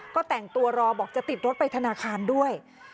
ก็แต่งตัวรอบอกจะติดรถไปธนาคารด้วย